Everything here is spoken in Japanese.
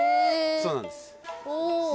そうなんです。